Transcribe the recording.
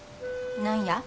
何や？